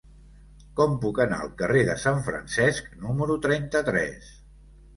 Com puc anar al carrer de Sant Francesc número trenta-tres?